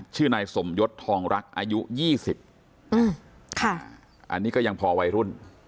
ชื่อนายสมยศทองรักอายุยี่สิบอืมค่ะอันนี้ก็ยังพอวัยรุ่น